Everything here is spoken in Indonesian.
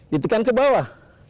ditekan ke bawah